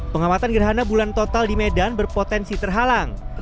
pengamatan gerhana bulan total di medan berpotensi terhalang